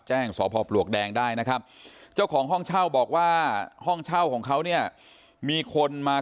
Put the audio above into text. แจ้งสพปลวกแดงได้นะครับเจ้าของห้องเช่าบอกว่าห้องเช่า